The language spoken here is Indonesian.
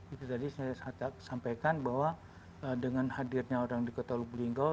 itu tadi saya sampaikan bahwa dengan hadirnya orang di kota lubuk linggau